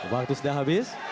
waktu sudah habis